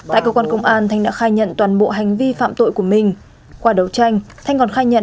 tại cơ quan công an thanh đã khai nhận toàn bộ hành vi phạm tội của mình qua đấu tranh thanh còn khai nhận